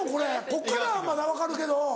こっからはまだ分かるけど。